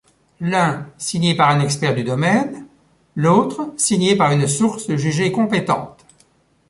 L'un, signé par un expert du domaine, l'autre, signé par une source jugée compétente.